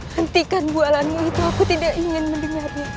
hentikan bualannya itu aku tidak ingin mendengarnya